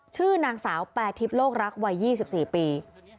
ชื่อนางสาวแปรทิพย์โลกรักวัย๒๔ปี